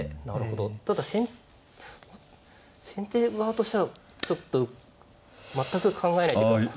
なるほどただ先手側としたらちょっと全く考えないとか。